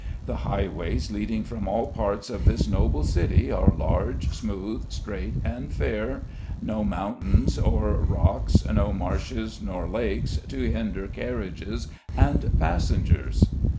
"The highways leading from all parts to this noble city are large, smooth, straight and fair; no mountains nor rocks, no marshes nor lakes to hinder carriages and passengers."